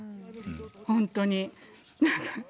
本当に。